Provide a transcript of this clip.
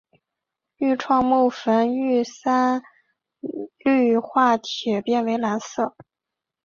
愈创木酚遇三氯化铁变为蓝色。